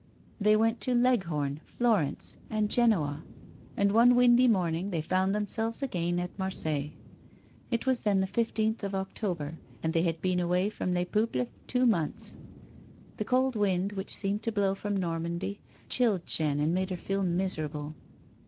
They went to Leghorn, Florence, and Genoa, and, one windy morning, they found themselves again at Marseilles. It was then the fifteenth of October, and they had been away from Les Peuples two months. The cold wind, which seemed to blow from Normandy, chilled Jeanne and made her feel miserable.